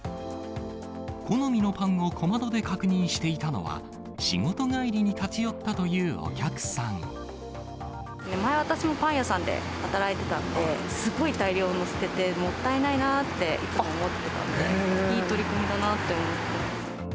好みのパンを小窓で確認していたのは、仕事帰りに立ち寄ったとい前、私もパン屋さんで働いてたんで、すごい大量に捨てて、もったいないなっていつも思ってたので、いい取り組みだなと思ってます。